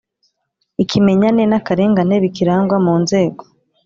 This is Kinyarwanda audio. Ikimenyane n akarengane bikirangwa mu nzego